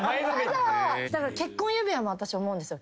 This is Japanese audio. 結婚指輪も私思うんですよ。